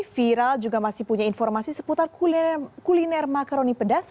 viral juga masih punya informasi seputar kuliner makaroni pedas